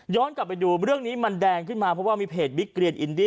กลับไปดูเรื่องนี้มันแดงขึ้นมาเพราะว่ามีเพจบิ๊กเกรียนอินดี้